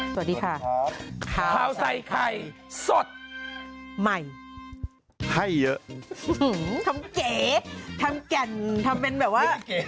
สวัสดีค่ะข้าวใส่ไข่สดใหม่ให้เยอะทำเก๋ทำแก่นทำเป็นแบบว่า